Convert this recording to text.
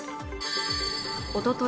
おととい